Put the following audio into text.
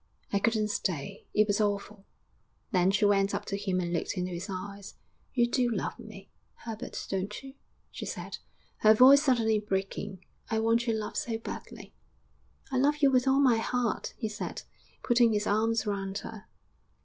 'I couldn't stay; it was awful.' Then she went up to him and looked into his eyes. 'You do love me, Herbert, don't you?' she said, her voice suddenly breaking. 'I want your love so badly.' 'I love you with all my heart!' he said, putting his arms round her.